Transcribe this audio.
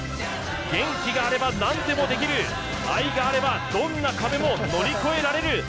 元気があればなんでもできる、愛があれば、どんな壁も乗り越えられる！